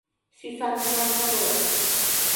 Сӱсаныман огыл.